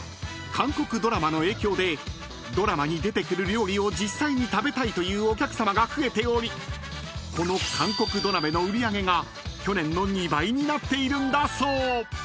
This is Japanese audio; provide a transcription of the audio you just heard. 韓国ドラマの影響でドラマに出てくる料理を実際に食べたいというお客さまが増えておりこの韓国土鍋の売り上げが去年の２倍になっているんだそう］